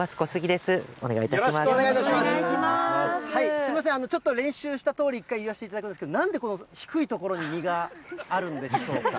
すみません、ちょっと練習したとおり、一回言わせていただくんですけれども、なんでこの低い所に実があるんでしょうか。